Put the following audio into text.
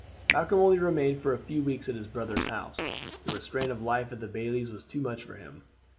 Malcolm only remained for a few weeks at his brother's house. The restraint of life at the bailie's was too much for him.